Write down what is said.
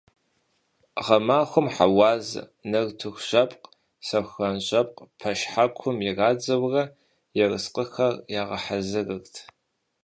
Гъэмахуэм хьэуазэ, нартыхужэпкъ, сэхуранжэпкъ пэшхьэкум ирадзэурэ, ерыскъыхэр ягъэхьэзырырт.